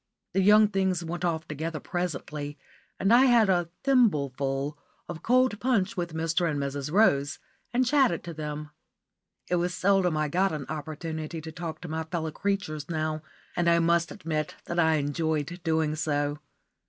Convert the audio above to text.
The young things went off together presently, and I had a thimbleful of cold punch with Mr. and Mrs. Rose, and chatted to them. It was seldom I got an opportunity to talk to my fellow creatures now, and I must admit that I enjoyed doing so.